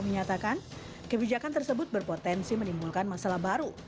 menyatakan kebijakan tersebut berpotensi menimbulkan masalah baru